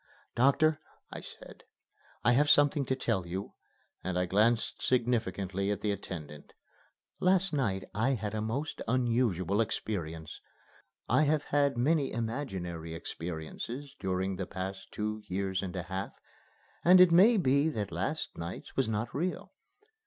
"Doctor," I said, "I have something to tell you," and I glanced significantly at the attendant. "Last night I had a most unusual experience. I have had many imaginary experiences during the past two years and a half, and it may be that last night's was not real.